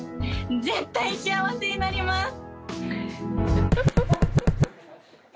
絶対幸せになります！